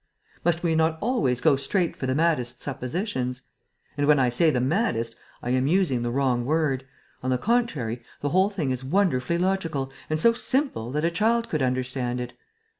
Must we not always go straight for the maddest suppositions? And, when I say the maddest, I am using the wrong word. On the contrary, the whole thing is wonderfully logical and so simple that a child could understand it.